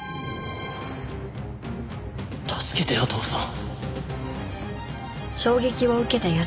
助けてお父さん。